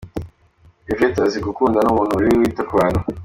Yvette azi gukunda, ni umuntu uri wita ku bantu.